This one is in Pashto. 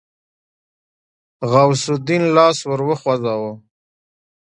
غوث الدين لاس ور وغځاوه.